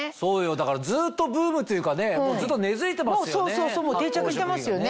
だからずっとブームっていうかねずっと根付いてますよね